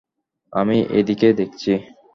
আমি এইদিকে দেখছি।